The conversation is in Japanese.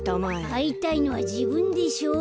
あいたいのはじぶんでしょう。